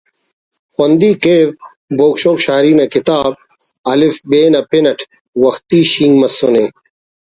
خوندی کیو بوگ شوگ شاعری نا کتاب ”الف ب“ نا پن اٹ وختی شینک مسونے